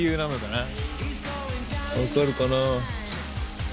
分かるかな？